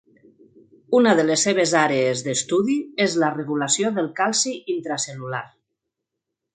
Una de les seves àrees d'estudi és la regulació del calci intracel·lular.